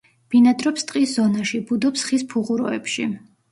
ბინადრობს ტყის ზონაში, ბუდობს ხის ფუღუროებში.